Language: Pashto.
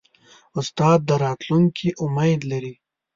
استاد د راتلونکي امید لري.